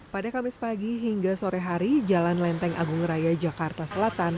pada kamis pagi hingga sore hari jalan lenteng agung raya jakarta selatan